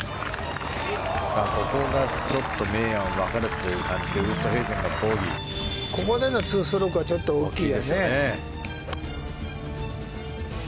ここが明暗分かれてという感じでここでの２ストロークはちょっと大きいよね。